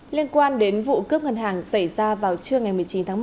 liên quan đến vụ cướp ngân hàng xảy ra vào trưa ngày một mươi chín tháng một